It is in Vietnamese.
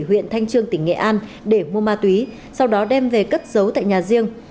huyện thanh trương tỉnh nghệ an để mua ma túy sau đó đem về cất giấu tại nhà riêng